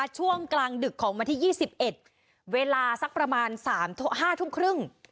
ช่วงกลางดึกของวันที่ยี่สิบเอ็ดเวลาสักประมาณสามห้าทุ่มครึ่ง